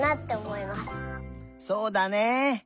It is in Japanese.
そうだね。